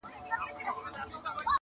هره خوا ګورم تیارې دي چي ښکارېږي.!